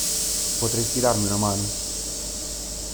Potresti darmi una mano?